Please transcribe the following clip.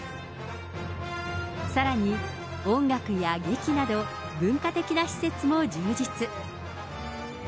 さらに音楽や劇など、文化的な施設も充実。